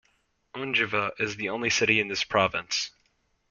Ondjiva is the only city in this province.